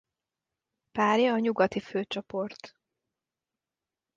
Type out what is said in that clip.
Párja a Nyugati főcsoport.